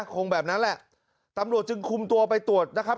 คงแบบนั้นแหละตำรวจจึงคุมตัวไปตรวจนะครับ